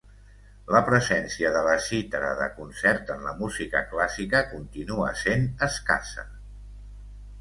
La presència de la cítara de concert en la música clàssica continua sent escassa.